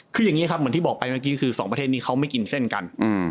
คืออย่างนี้ครับเหมือนที่บอกไปเมื่อกี้คือสองประเทศนี้เขาไม่กินเส้นกัน